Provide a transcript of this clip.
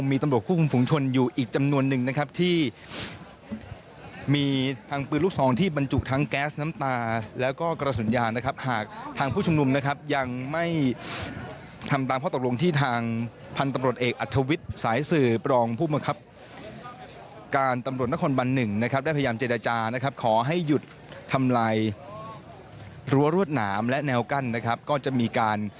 มีตำรวจคุมฝุงชนอยู่อีกจำนวนหนึ่งนะครับที่มีทางปืนลูกซองที่บรรจุทั้งแก๊สน้ำตาแล้วก็กระสุนยางนะครับหากทางผู้ชุมนุมนะครับยังไม่ทำตามข้อตกลงที่ทางพันธุ์ตำรวจเอกอัธวิทย์สายสืบรองผู้บังคับการตำรวจนครบันหนึ่งนะครับได้พยายามเจรจานะครับขอให้หยุดทำลายรั้วรวดหนามและแนวกั้นนะครับก็จะมีการ